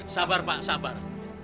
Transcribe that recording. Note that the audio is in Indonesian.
sabar pak sabar